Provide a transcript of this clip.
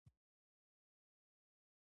د ایران تجربه د زده کړې وړ ده.